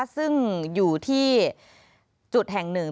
ซึ่งอยู่ที่จุดแห่งหนึ่ง